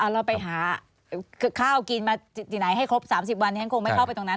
เราไปหาข้าวกินมาที่ไหนให้ครบ๓๐วันนี้ฉันคงไม่เข้าไปตรงนั้น